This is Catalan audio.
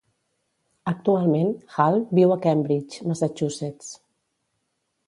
Actualment, Halle viu a Cambridge, Massachusetts.